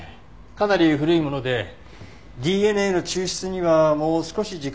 かなり古いものでＤＮＡの抽出にはもう少し時間がかかりそうです。